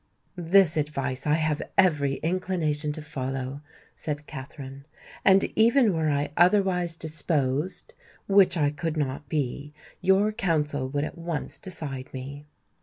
"This advice I have every inclination to follow," said Katherine; "and even were I otherwise disposed—which I could not be—your counsel would at once decide me."